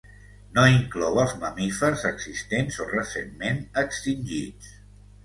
No inclou els mamífers existents o recentment extingits.